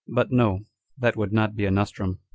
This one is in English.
But no, that would not be a nostrum.